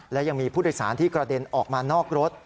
และยังมีผู้โดยสารที่กระเด็นออกมานอกรถ